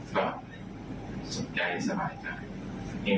ก็สุดใจที่สบายใจนี่เราก็สบายใจได้ด้วย